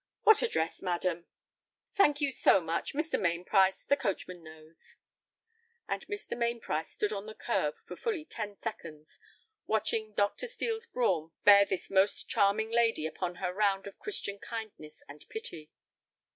"What address, madam?" "Thank you so much, Mr. Mainprice, the coachman knows." And Mr. Mainprice stood on the curb for fully ten seconds, watching Dr. Steel's brougham bear this most charming lady upon her round of Christian kindness and pity.